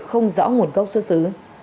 không rõ nguồn gốc xuất xứ